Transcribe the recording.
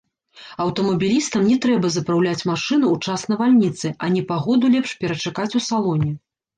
Аўтамабілістам не трэба запраўляць машыну ў час навальніцы, а непагоду лепш перачакаць у салоне.